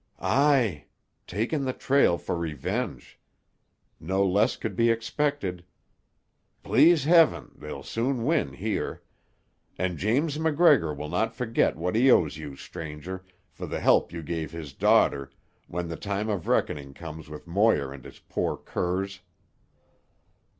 "Aye. Taken the trail for revenge. No less could be expected. Please Heaven, they'll soon win here. And James MacGregor will not forget what he owes you, stranger, for the help you gave his daughter, when the time of reckoning comes with Moir and his poor curs."